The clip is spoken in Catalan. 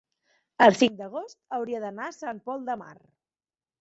el cinc d'agost hauria d'anar a Sant Pol de Mar.